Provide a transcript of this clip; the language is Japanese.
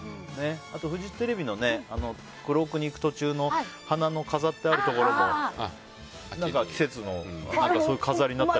あと、フジテレビのクロークに行く途中の花の飾ってあるところも季節の飾りになったり。